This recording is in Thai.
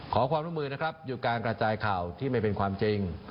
ขอความร่วมมือนะครับหยุดการกระจายข่าวที่ไม่เป็นความจริง